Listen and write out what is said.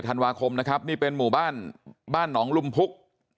ธันวาคมนะครับนี่เป็นหมู่บ้านบ้านหนองลุมพุก